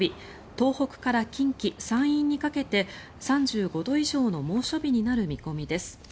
東北から近畿、山陰にかけて３５度以上の猛暑日になる見込みです。